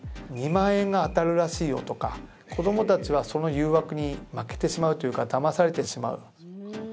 「２万円が当たるらしいよ」とか子どもたちはその誘惑に負けてしまうというかだまされてしまう。